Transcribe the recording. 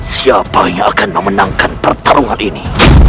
siapa yang akan memenangkan pertarungan ini